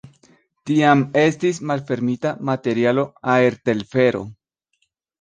Tiam estis malfermita materialo-aertelfero.